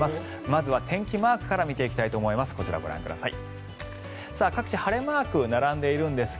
まずは天気マークから見ていきます。